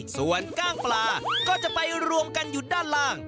ส่วนกล้างปลาก็จะไปรวมกันอยู่ด้านล่าง